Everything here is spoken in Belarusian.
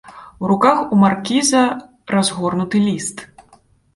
У руках у маркіза разгорнуты ліст.